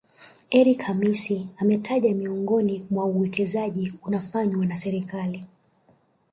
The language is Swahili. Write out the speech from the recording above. Eric Hamisi ametaja miongoni mwa uwekezaji unafanywa na Serikali